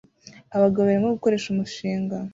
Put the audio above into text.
Abagabo babiri barimo gukoresha umushinga